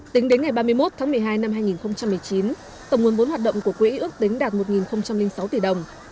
tính đến ngày ba mươi một tháng một mươi hai năm hai nghìn một mươi chín tổng nguồn vốn hoạt động của quỹ ước tính đạt một sáu tỷ đồng